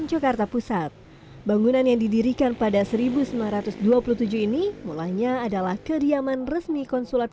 jakarta pusat bangunan yang didirikan pada seribu sembilan ratus dua puluh tujuh ini mulanya adalah kediaman resmi konsulat